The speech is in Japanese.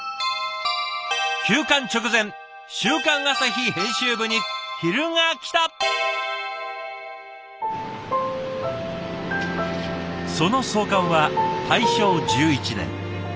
休刊直前その創刊は大正１１年。